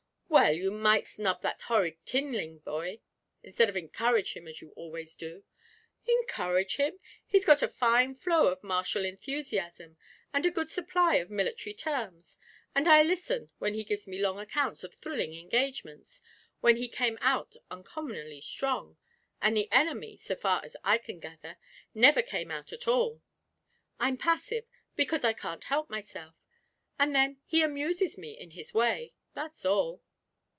'Well, you might snub that horrid Tinling boy, instead of encouraging him, as you always do!' 'Encourage him! He's got a fine flow of martial enthusiasm, and a good supply of military terms, and I listen when he gives me long accounts of thrilling engagements, when he came out uncommonly strong and the enemy, so far as I can gather, never came out at all. I'm passive, because I can't help myself; and then he amuses me in his way that's all.'